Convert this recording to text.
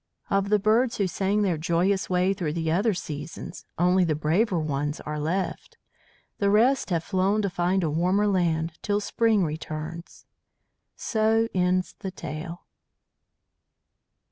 "Of the birds who sang their joyous way through the other seasons only the braver ones are left. The rest have flown to find a warmer land till spring returns. So ends the tale."